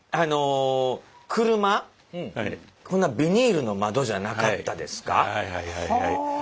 こんなビニールの窓じゃなかったですか。